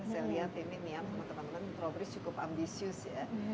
saya lihat ini nih ya teman teman robri cukup ambisius ya